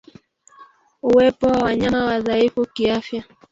Uwepo wa wanyama wadhaifu kiafya